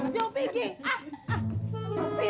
cepat jauh pergi